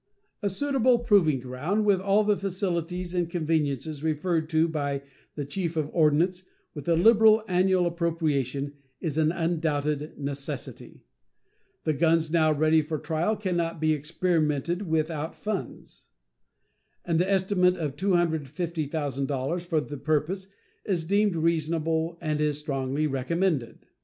A suitable proving ground, with all the facilities and conveniences referred to by the Chief of Ordnance, with a liberal annual appropriation, is an undoubted necessity. The guns now ready for trial can not be experimented with without funds, and the estimate of $250,000 for the purpose is deemed reasonable and is strongly recommended.